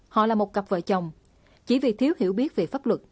họ là một cặp vợ chồng chỉ vì thiếu hiểu biết về pháp luật